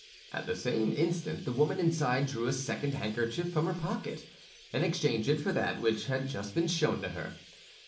At the same instant the woman inside drew a second handkerchief from her pocket, and exchanged it for that which had just been shown to her.